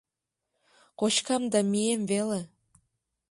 — Кочкам да мием веле.